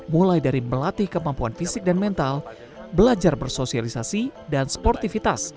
mulai dari melatih kemampuan fisik dan mental belajar bersosialisasi dan sportivitas